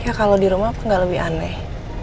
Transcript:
ya kalau di rumah nggak lebih aneh